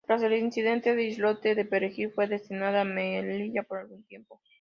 Tras el incidente del islote de Perejil, fue destinada a Melilla por algún tiempo.